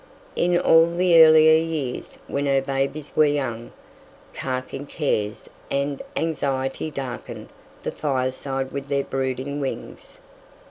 In all the earlier years when her babies were young, carking cares and anxieties darkened the fireside with their brooding wings.